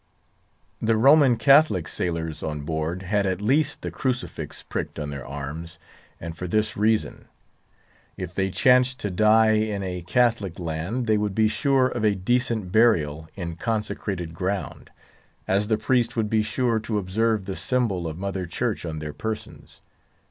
The Roman Catholic sailors on board had at least the crucifix pricked on their arms, and for this reason: If they chanced to die in a Catholic land, they would be sure of a decent burial in consecrated ground, as the priest would be sure to observe the symbol of Mother Church on their persons.